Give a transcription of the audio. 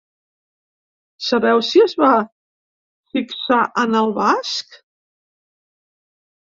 Sabeu si es va fixar en el basc?